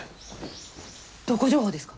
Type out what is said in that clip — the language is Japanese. どこ情報ですか？